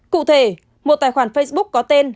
cụ thể một tài khoản facebook có tên